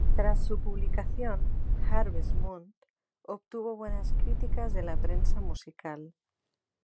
Tras su publicación, "Harvest Moon" obtuvo buenas críticas de la prensa musical.